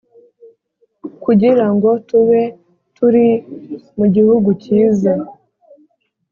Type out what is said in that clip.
kugira ngo tube turi mu gihugu cyiza